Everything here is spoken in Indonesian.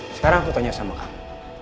sekarang aku tanya sama kamu